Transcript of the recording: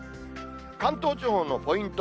関東地方のポイント。